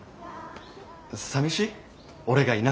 さみしい？